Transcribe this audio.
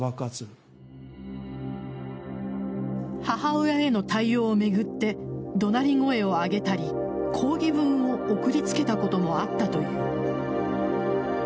母親への対応を巡って怒鳴り声を上げたり抗議文を送りつけたこともあったという。